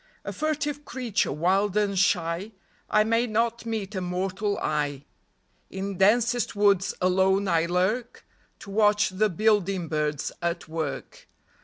A furtive creature, wild and shy, I may not meet a mortal eye : In densest woods alone I lurk To watch the building birds at work.